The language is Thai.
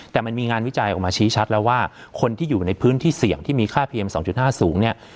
แต่มันมีงานวิจัยออกมาชี้ชัดแล้วว่าคนที่อยู่ในพื้นที่เสี่ยงที่มีค่าเพียง๒๕สูงเนี่ย